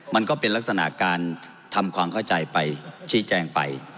มันก็เป็นลักษณะการทำความเข้าใจไปชี้แจงไป